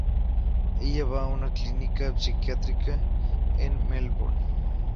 Ella va a una clínica psiquiátrica en Melbourne.